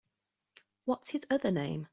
What’s his other name?